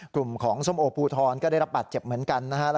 กลุ่มของส้มโอภูทรก็ได้รับบาดเจ็บเหมือนกันนะฮะ